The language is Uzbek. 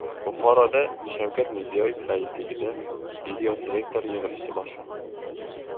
Buxoroda Shavkat Mirziyoyev raisligida videoselektor yig‘ilishi boshlandi